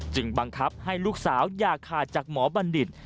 บังคับให้ลูกสาวอย่าขาดจากหมอบัณฑิต